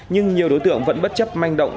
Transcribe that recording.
nhưng nhiều đối tượng vẫn bất chấp manh động